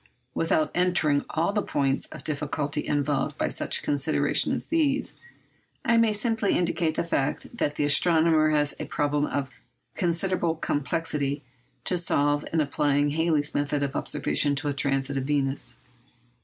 Without entering on all the points of difficulty involved by such considerations as these, I may simply indicate the fact that the astronomer has a problem of considerable complexity to solve in applying Halley's method of observation to a transit of Venus.